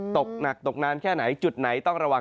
ตกหนักตกนานแค่ไหนจุดไหนต้องระวัง